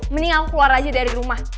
mending aku keluar aja dari rumah